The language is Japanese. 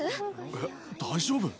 えっ大丈夫？